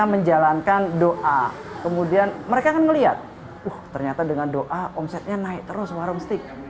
mereka menjalankan doa kemudian mereka melihat ternyata dengan doa omsetnya naik terus warung stik